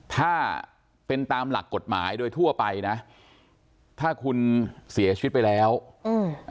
ถ้าเป็นตามหลักกฎหมายโดยทั่วไปนะถ้าคุณเสียชีวิตไปแล้วอืม